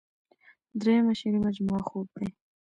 دريمه شعري مجموعه خوب دے ۔